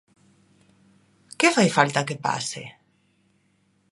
¿Que fai falta que pase?